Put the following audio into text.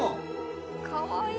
かわいい。